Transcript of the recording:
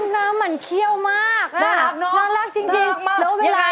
น้ำมันเขี้ยวมากอ่ะน่ารักจริงแล้วเวลา